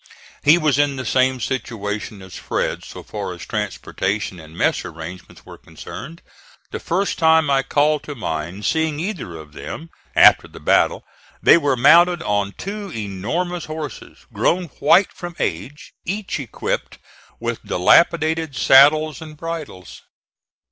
He was in the same situation as Fred so far as transportation and mess arrangements were concerned. The first time I call to mind seeing either of them, after the battle, they were mounted on two enormous horses, grown white from age, each equipped with dilapidated saddles and bridles.